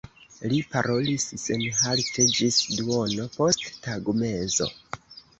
Li parolis senhalte ĝis duono post tagmezo.